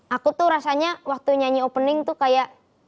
aku tuh rasanya waktu nyanyi opening tuh kayak